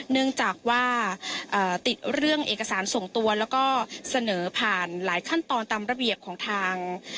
เนื่องจากว่าติดเรื่องเอกสารส่งตัวแล้วก็เสนอผ่านหลายขั้นตอนตามระเบียบของทาง